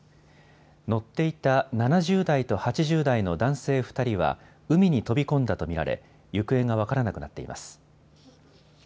乗っていた７０代と８０代の男性２人は海に飛び込んだと見られ行方が分からなくなっています。